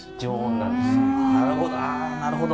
なるほど。